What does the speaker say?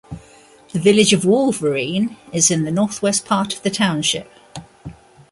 The village of Wolverine is in the northwest part of the township.